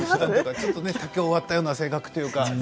ちょっと竹を割ったような性格というか。